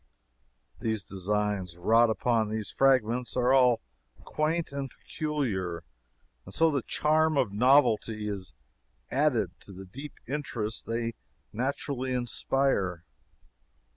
The designs wrought upon these fragments are all quaint and peculiar, and so the charm of novelty is added to the deep interest they naturally inspire.